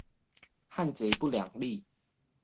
漢賊不兩立